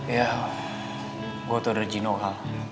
ya gue tau dari gino hal